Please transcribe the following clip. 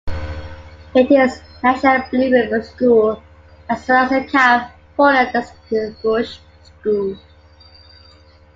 It is a National Blue Ribbon school, as well as a California Distinguished School.